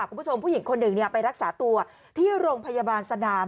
คุณผู้ชมผู้หญิงคนหนึ่งไปรักษาตัวที่โรงพยาบาลสนาม